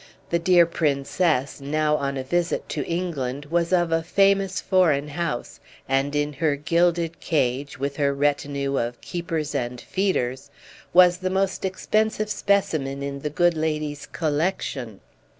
The dear Princess, now on a visit to England, was of a famous foreign house, and, in her gilded cage, with her retinue of keepers and feeders, was the most expensive specimen in the good lady's collection.